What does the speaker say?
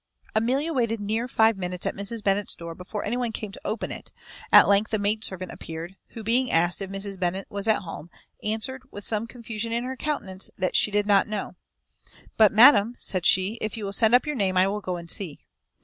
Amelia waited near five minutes at Mrs. Bennet's door before any one came to open it; at length a maid servant appeared, who, being asked if Mrs. Bennet was at home, answered, with some confusion in her countenance, that she did not know; "but, madam," said she, "if you will send up your name, I will go and see."